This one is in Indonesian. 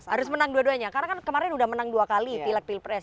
harus menang dua duanya karena kan kemarin udah menang dua kali pilek pilpres